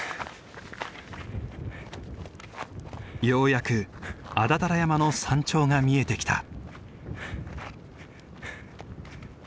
ようやく安達太良山の山頂が見えてきた。